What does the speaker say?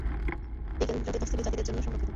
এই কেন্দ্রটি তফসিলি জাতিদের জন্য সংরক্ষিত।